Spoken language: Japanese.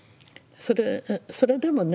それでもね